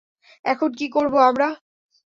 এখন কি করবো আমরা?